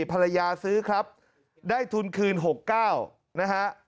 ซื้อครับได้ทุนคืน๖๙นะฮะ